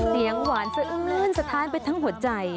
เสียงหวานสะอื้นสะท้านไปทั้งหัวใจ